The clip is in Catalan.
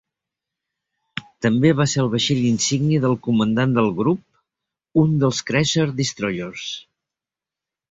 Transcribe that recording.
També va ser el vaixell insígnia del comandant del grup un dels Cruiser-Destroyers.